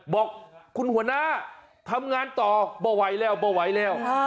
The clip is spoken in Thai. บอกคุณหัวหน้าทำงานต่อบ่ไหวแล้วบ่ไหวแล้ว